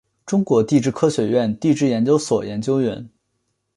中国地质科学院地质研究所研究员。